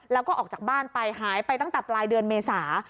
แล้วก็ออกจากบ้านไปหายไปตั้งแต่ปลายเดือนเมษา